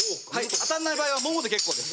当たんない場合はももで結構です。